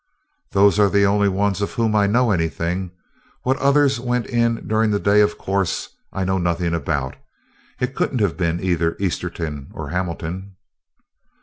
"Those are the only ones of whom I know anything. What others went in during the day, of course, I know nothing about. It could n't have been either Esterton or Hamilton."